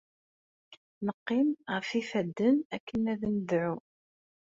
Neqqim ɣef yifadden akken ad nedɛu.